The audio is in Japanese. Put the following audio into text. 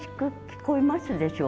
聞こえます。